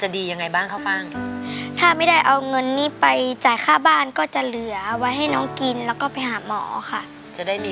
จะได้มีค่ากินเพิ่มขึ้นจะได้มีเงินไปหาหมอด้วย